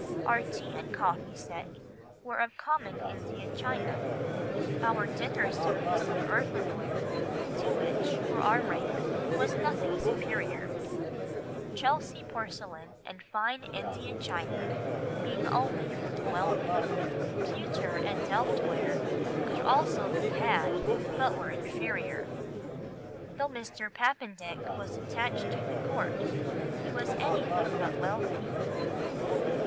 Our tea and coffee set were of common Indian china, our dinner service of earthenware, to which, for our rank, there was nothing superior, Chelsea porcelain and fine India china being only for the wealthy. Pewter and Delft ware could also be had, but were inferior." Though Mr. Papendick was attached to the Court, he was anything but wealthy.